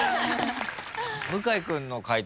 向井君の解答